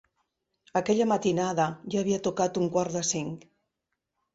Aquella matinada, ja havia tocat un quart de cinc.